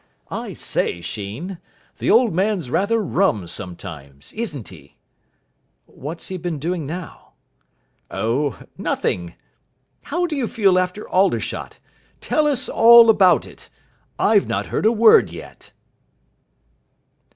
I say, Sheen, the Old Man's rather rum sometimes, isn't he?" "What's he been doing now?" "Oh nothing. How do you feel after Aldershot? Tell us all about it. I've not heard a word yet."